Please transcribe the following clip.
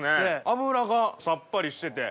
脂がさっぱりしてて。